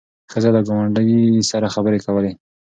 ښځه له ګاونډۍ سره خبرې کولې.